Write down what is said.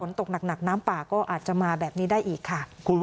ตกหนักน้ำป่าก็อาจจะมาแบบนี้ได้อีกค่ะ